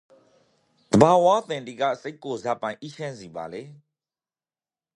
သဘာဝအသံတိကစိတ်ကိုဇာပိုင်အီးချမ်းစီပါလေ